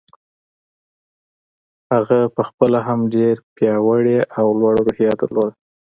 هغه په خپله هم ډېره پياوړې او لوړه روحيه درلوده.